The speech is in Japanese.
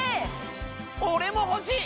俺も欲しい！